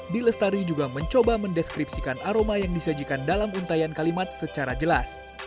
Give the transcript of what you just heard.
d lestari juga mencoba mendeskripsikan aroma yang disajikan dalam untayan kalimat secara jelas